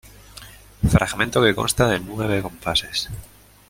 Fragmento que consta de nueve compases.